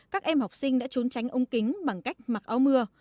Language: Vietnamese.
các em học sinh đã trốn tránh ông kính bằng cách mặc áo mưa